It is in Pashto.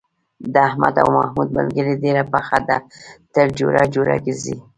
د احمد او محمود ملگري ډېره پخه ده، تل جوړه جوړه گرځي.